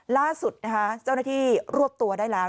ล่าสุดนะคะเจ้าหน้าที่รวบตัวได้แล้ว